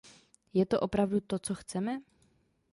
Je to opravdu to, co chceme?